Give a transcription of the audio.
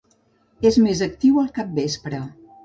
És més actiu al capvespre.